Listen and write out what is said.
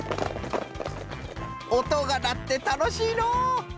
おとがなってたのしいのう！